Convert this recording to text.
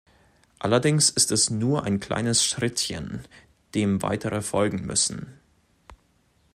Allerdings ist es nur ein kleines Schrittchen, dem weitere folgen müssen.